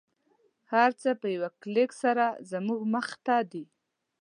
هر څه په یوه کلیک سره زموږ مخته دی